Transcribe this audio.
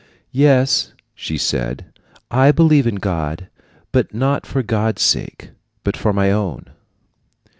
"Yes," she said, "I believe in God, not for God's sake, but for my own."